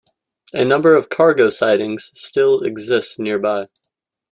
A number of cargo sidings still exist nearby.